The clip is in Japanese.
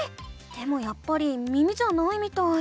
でもやっぱり耳じゃないみたい。